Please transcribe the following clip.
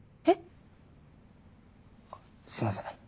あっすいません。